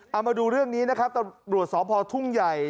เอามาดูเรื่องนี้นะครับตำรวจสพทุ่งใหญ่